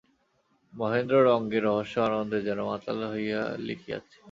মহেন্দ্র রঙ্গে রহস্যে আনন্দে যেন মাতাল হইয়া লিখিয়াছে।